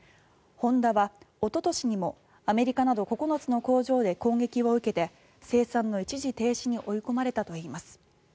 ホンダはおととしにもアメリカなど９つの工場で攻撃を受けて生産の一時停止に追い込まれたといいます。